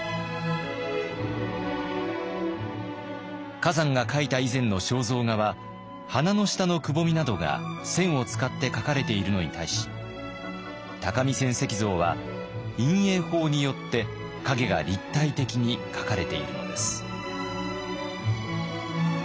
崋山が描いた以前の肖像画は鼻の下のくぼみなどが線を使って描かれているのに対し「鷹見泉石像」は陰影法によって影が立体的に描かれているのです。